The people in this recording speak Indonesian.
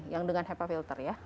yang dengan hepa filter ya